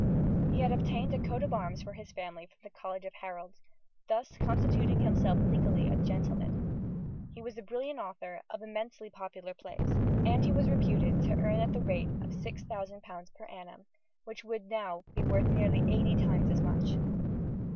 He had obtained a coat of arms for his family from the College of Heralds, thus constituting himself legally a "gentleman"; he was the brilliant author of immensely popular plays. And he was reputed to earn at the rate of £600 per annum which would be now worth nearly eight times as much.